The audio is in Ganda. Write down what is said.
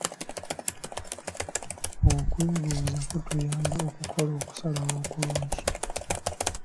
Okwebuuza kutuyamba okukola okusalawo okulungi.